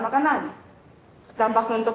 makanan dampak untuk